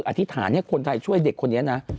อธิษฐานให้คนไทยช่วยเด็กคนนี้นะ